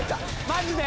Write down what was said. マジで？